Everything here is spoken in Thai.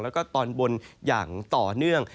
แล้วก็ตอนบนอย่างต่อเนื่อง